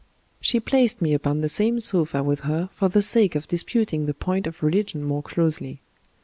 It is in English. She placed me upon the same sofa with her for the sake of disputing the point of religion more closely.